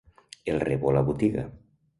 El rebo a la botiga.